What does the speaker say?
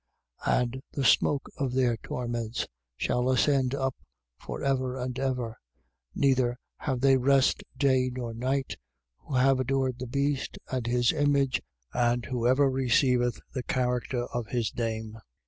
14:11. And the smoke of their torments, shall ascend up for ever and ever: neither have they rest day nor night, who have adored the beast and his image and whoever receiveth the character of his name.